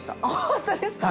本当ですか。